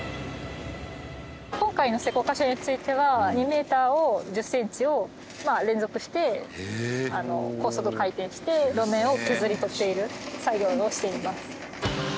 今回の施工箇所については２メーターを１０センチを連続して高速回転して路面を削り取っている作業をしています。